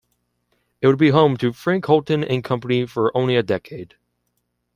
It would be home to Frank Holton and Company for only a decade.